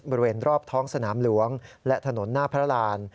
บริเวณรอบท้องสนามหลวงและถนนหน้าพระราน